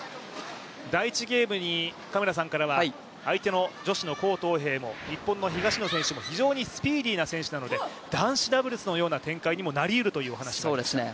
第１ゲームに嘉村さんからは、相手の選手も、東野選手も、非常にスピーディーな選手なので男子ダブルスのような展開にもなるというお話でした。